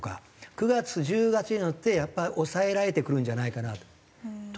９月１０月になってやっぱ抑えられてくるんじゃないかなとは思ってますけどね。